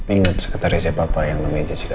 ingat sekretarisnya papa yang namanya jessica